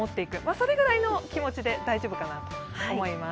それぐらいの気持ちで大丈夫かなと思います。